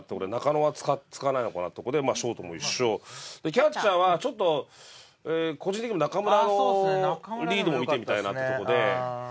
キャッチャーはちょっと個人的にも中村のリードも見てみたいなってとこで。